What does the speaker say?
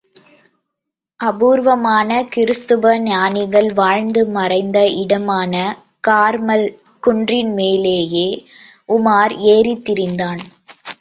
அபூர்வமான கிருஸ்தவ ஞானிகள் வாழ்ந்து மறைந்த இடமான கார்மல் குன்றின்மேலேயும் உமார் ஏறித்திரிந்தான்.